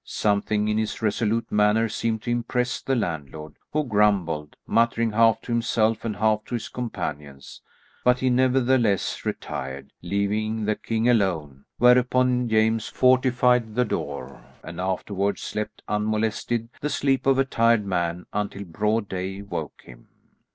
Something in his resolute manner seemed to impress the landlord, who grumbled, muttering half to himself and half to his companions, but he nevertheless retired, leaving the king alone, whereupon James fortified the door, and afterward slept unmolested the sleep of a tired man, until broad day woke him.